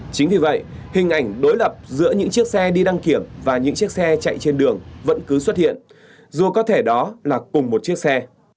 chính vì vậy hình ảnh đối lập giữa những chiếc xe đi đăng kiểm và những chiếc xe chạy trên đường vẫn cứ xuất hiện dù có thể đó là cùng một chiếc xe